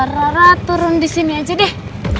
rara turun disini aja deh